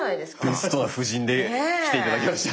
ベストな布陣で来て頂きました。